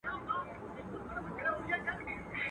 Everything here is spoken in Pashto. چي کرې، هغه به رېبې.